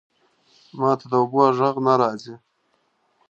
ماته د اوبو ژغ نه راځی